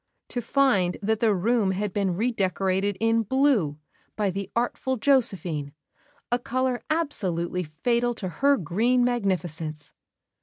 to find that the room had been re decorated in blue by the artful Josephine a colour absolutely fatal to her green magnificence!